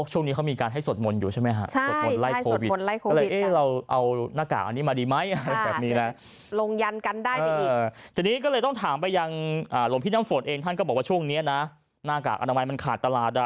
หน้ากากอาดามัยมันขาดตลาด